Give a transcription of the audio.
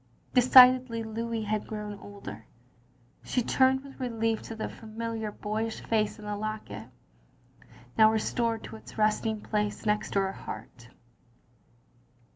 Decidedly Louis had grown older. She turned with relief to the familiar, boyish face in the locket; now restored to its resting place next her heart.